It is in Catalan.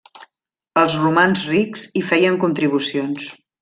Els romans rics hi feien contribucions.